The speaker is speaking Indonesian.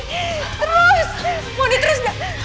terus moni terus nari